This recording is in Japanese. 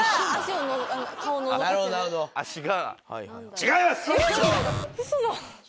違います！